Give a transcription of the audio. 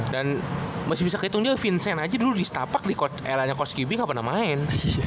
dan masih bisa kehitung aja vincent aja dulu di stapak di era coach qb ga pernah main